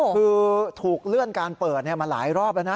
คือถูกเลื่อนการเปิดมาหลายรอบแล้วนะ